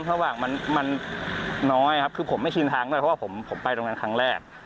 ระหว่างมันน้อยครับคือผมไม่ชินทางด้วยเพราะว่าผมไปตรงนั้นครั้งแรก